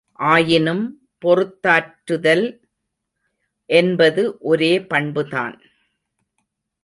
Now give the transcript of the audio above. ஆயினும் பொறுத்தாற்றுதல் என்பது ஒரே பண்புதான்.